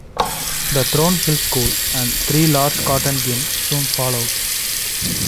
The Thorn Hill School and three large cotton gins soon followed.